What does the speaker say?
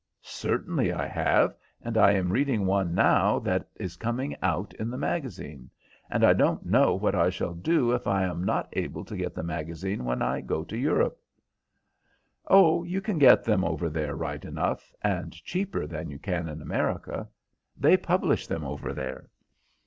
"Certainly I have, and I am reading one now that is coming out in the magazine; and I don't know what I shall do if I am not able to get the magazine when I go to Europe." "Oh, you can get them over there right enough, and cheaper than you can in America. They publish them over there."